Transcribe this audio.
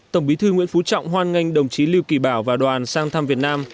tổng bí thư nguyễn phú trọng hoan nghênh đồng chí lưu kỳ bảo và đoàn sang thăm việt nam